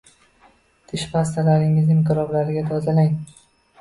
Tish pastalaringizni mikroblardan tozalang.